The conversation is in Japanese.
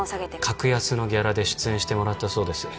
格安のギャラで出演してもらったそうです